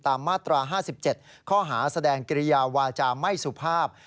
มาตรา๕๗ข้อหาแสดงกิริยาวาจาไม่สุภาพ